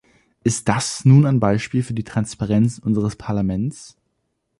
Ist das nun ein Beispiel für die Transparenz unseres Parlaments?